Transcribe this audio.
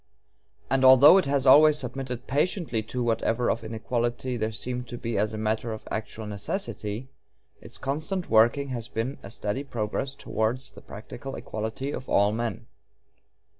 And although it has always submitted patiently to whatever of inequality there seemed to be as matter of actual necessity, its constant working has been a steady progress towards the practical equality of all men.